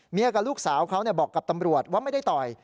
กับลูกสาวเขาบอกกับตำรวจว่าไม่ได้ต่อย